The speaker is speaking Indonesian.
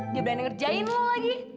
dia berani ngerjain lagi